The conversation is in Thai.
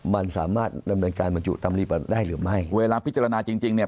มันสามารถแบ่งการบรรจุตำรีปัดได้หรือไม่เวลาพิจารณาจริงเนี่ย